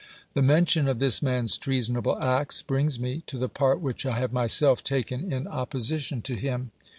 The mention of this man's treasonable acts brings me to the part which I have myself taken in opposition to him.